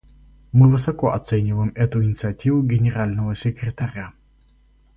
Мы высоко оцениваем эту инициативу Генерального секретаря.